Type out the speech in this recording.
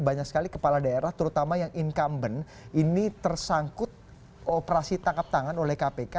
banyak sekali kepala daerah terutama yang incumbent ini tersangkut operasi tangkap tangan oleh kpk